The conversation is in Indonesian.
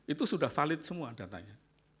itu sudah valid semua datanya